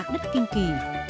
đất kinh kỳ